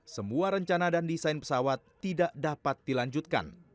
semua rencana dan desain pesawat tidak dapat dilanjutkan